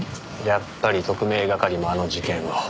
やっぱり特命係もあの事件を。